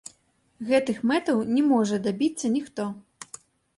Гэтых мэтаў не можа дабіцца ніхто.